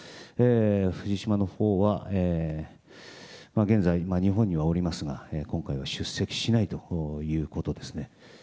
藤島のほうは現在、日本にはおりますが今回は出席しないということですね。